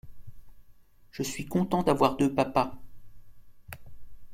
Je suis content d'avoir deux papas.